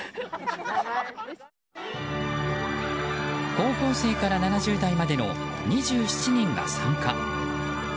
高校生から７０代までの２７人が参加。